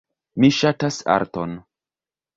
Mi ŝatas arton.